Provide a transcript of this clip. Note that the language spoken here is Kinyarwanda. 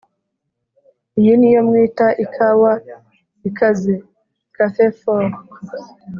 iyi ni yo mwita ikawa ikaze(café fort)?”